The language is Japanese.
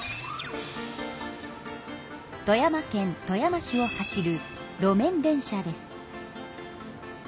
富山県富山市を走る路面電車です。